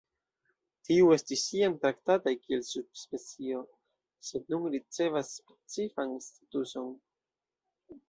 Tiu estis iam traktataj kiel subspecio, sed nun ricevas specifan statuson.